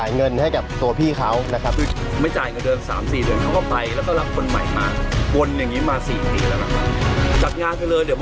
อันนี้แค่ทำรายชาย